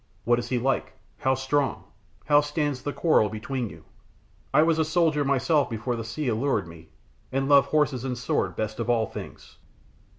What is he like? How strong? How stands the quarrel between you? I was a soldier myself before the sea allured me, and love horse and sword best of all things."